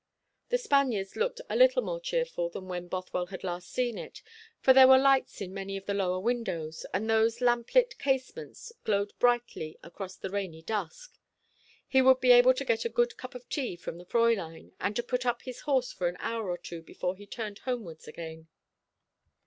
The Spaniards looked a little more cheerful than when Bothwell had seen it last, for there were lights in many of the lower windows, and those lamp lit casements glowed brightly across the rainy dusk. He would be able to get a good cup of tea from the Fräulein, and to put up his horse for an hour or two before he turned homewards again.